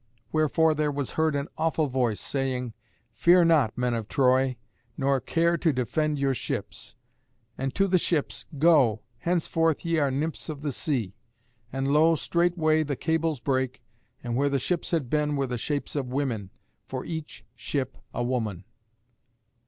Wherefore there was heard an awful voice, saying, "Fear not, men of Troy; nor care to defend your ships;" and to the ships, "Go! henceforth ye are Nymphs of the sea." And lo! straightway the cables brake, and where the ships had been were the shapes of women, for each ship a woman.